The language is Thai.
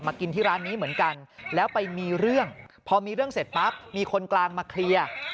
กินที่ร้านนี้เหมือนกันแล้วไปมีเรื่องพอมีเรื่องเสร็จปั๊บมีคนกลางมาเคลียร์